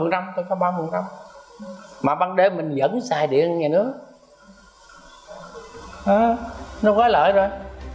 ba mươi tôi cho ba mươi mà bằng đếm mình vẫn xài điện năng lượng nó có lợi rồi